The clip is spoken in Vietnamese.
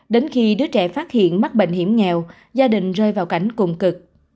đến khi đứa trẻ phát hiện mắc bệnh hiểm nghèo gia đình rơi vào cảnh cùng cực